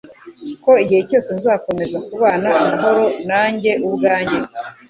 ko igihe cyose nzakomeza kubana amahoro nanjye ubwanjye